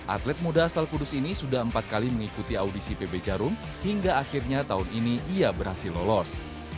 atlet muda asal kudus ini sudah empat kali mengikuti audisi pb jarum hingga akhirnya tahun ini ia berhasil lolos